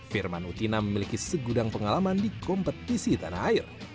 firman utina memiliki segudang pengalaman di kompetisi tanah air